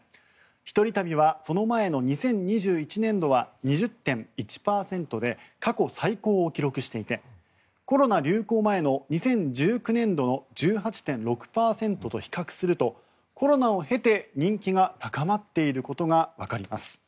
一人旅はその前の２０２１年度は２０．１％で過去最高を記録していてコロナ流行前の２０１９年度の１８．６％と比較するとコロナを経て人気が高まっていることがわかります。